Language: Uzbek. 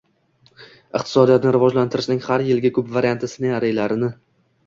iqtisodiyotni rivojlantirishning har yilgi ko`p variantli senariylarini